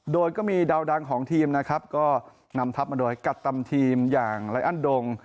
โดยก็มีดาวดังของทีมนะครับก็นำทัพมาโดยกัปตันทีมอย่างไลอันดง